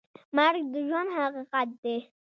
مرګ د ژوند حقیقت دی؟